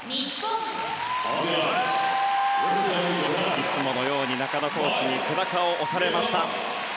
いつものように中野コーチに背中を押されました。